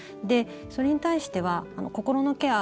それに対しては心のケア